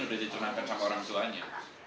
udah ditunangkan sama orang tuanya